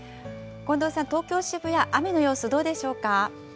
近藤さん、東京・渋谷、雨の様子、どうでしょうか。